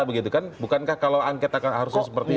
bukankah kalau angket harusnya seperti itu